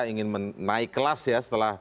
ingin menaik kelas ya setelah